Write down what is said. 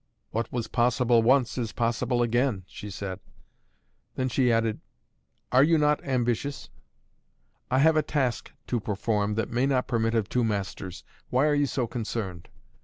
"What was possible once, is possible again," she said. Then she added: "Are you not ambitious?" "I have a task to perform that may not permit of two masters! Why are you so concerned?"